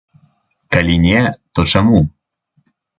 Калі не, то чаму?